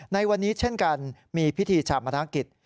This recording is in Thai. ในวันนี้เช่นกันมีพิธีฉามนักศักดิ์กิจ